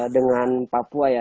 dengan papua ya